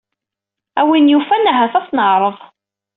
A win yufan, ahat, ad neɛreḍ.